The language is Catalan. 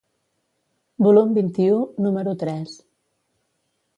Volum vint-i-u, número tres.